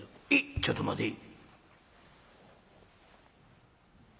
「ちょっと待てい」。